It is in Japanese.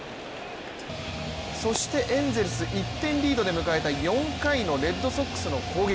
そして、エンゼルス１点リードで迎えた４回のレッドソックスの攻撃。